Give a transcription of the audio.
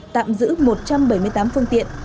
tạm giữ một trăm bảy mươi tám phương tiện